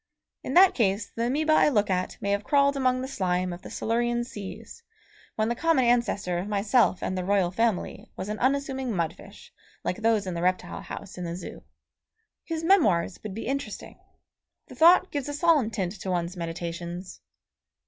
In that case the amoeba I look at may have crawled among the slime of the Silurian seas when the common ancestor of myself and the royal family was an unassuming mud fish like those in the reptile house in the Zoo. His memoirs would be interesting. The thought gives a solemn tint to one's meditations.